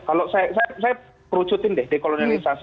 kalau saya perucutin deh dekolonialisasi